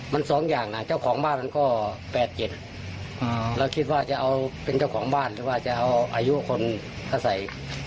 มัน๒อย่างนะเจ้าของบ้านมันก็๘๗เราคิดว่าจะเอาเป็นเจ้าของบ้านหรือว่าจะเอาอายุคนเขาใส่